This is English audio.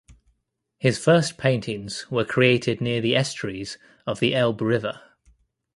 His first paintings were created near the estuaries of the Elbe River.